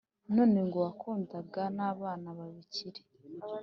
none ngo wakundana nabana babakire